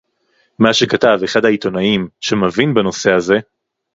מה שכתב אחד העיתונאים שמבין בנושא הזה